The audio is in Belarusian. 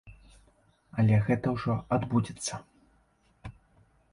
Але гэта ўжо адбудзецца.